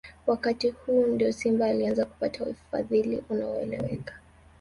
Wakati huu ndio Simba ilianza kupata ufadhili unaoeleweka